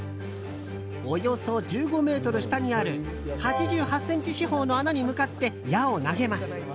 およそ１５ｍ下にある８８ｃｍ四方の穴に向かって矢を投げます。